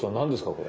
これ。